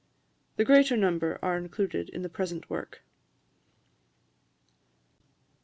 The greater number are included in the present work.